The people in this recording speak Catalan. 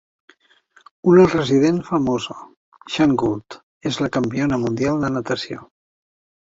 Una resident famosa, Shane Gould, és la campiona mundial de natació.